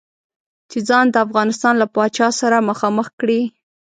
چې ځان د افغانستان له پاچا سره مخامخ کړي.